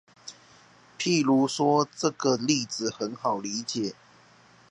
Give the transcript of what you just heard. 譬如說，這個例子很好理解